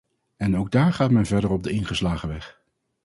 En ook daar gaat men verder op de ingeslagen weg.